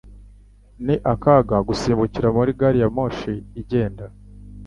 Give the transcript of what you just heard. Ni akaga gusimbukira muri gari ya moshi igenda